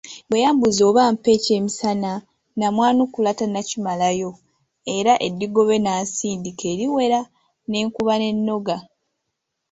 Bwe yambuuza oba ampe ekyemisana namwanukula tannakimalayo era eddigobe nasindika eriwera ne nkuba n'ennoga.